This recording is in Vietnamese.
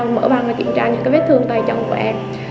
mở băng và kiểm tra những cái vết thương tay chân của em